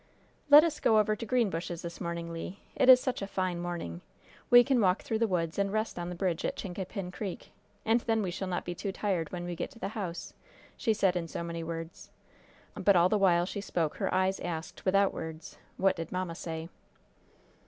"Let us go over to Greenbushes this morning, Le. It is such a fine morning. We can walk through the woods, and rest on the bridge at Chincapin Creek, and then we shall not be too tired when we get to the house," she said in so many words, but all the while she spoke her eyes asked, without words: "What did mamma say?"